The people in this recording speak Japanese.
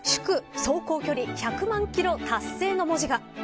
走行距離１００万キロ達成の文字が。